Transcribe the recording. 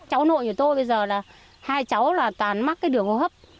cháu nội của tôi bây giờ là hai cháu là toàn mắc cái đường hô hấp